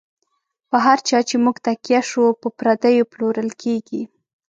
په هر چا چی موږ تکیه شو، په پردیو پلورل کیږی